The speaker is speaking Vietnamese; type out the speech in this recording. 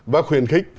với khuyến khích